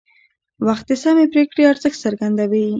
وخت د سمې پرېکړې ارزښت څرګندوي